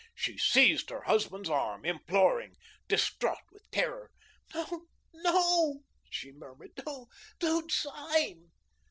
She seized her husband's arm imploring, distraught with terror. "No, no," she murmured; "no, don't sign."